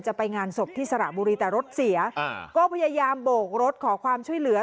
จะไปงานศพที่สระบุรีแต่รถเสียก็พยายามโบกรถขอความช่วยเหลือ